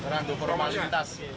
taran tuh formalin tas